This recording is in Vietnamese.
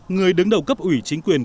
người đứng đầu cấp ủy chính quyền